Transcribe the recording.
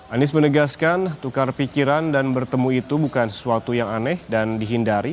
anies menegaskan tukar pikiran dan bertemu itu bukan sesuatu yang aneh dan dihindari